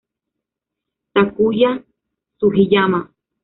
Takuya Sugiyama